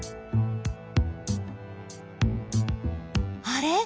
あれ？